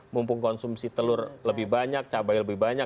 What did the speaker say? mumpung konsumsi telur lebih banyak cabai lebih banyak